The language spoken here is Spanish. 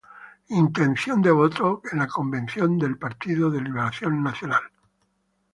Intención de voto en la convención del Partido Liberación Nacional